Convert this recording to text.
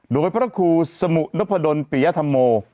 โดยพระครูสมุนพดลปิยธรรมโม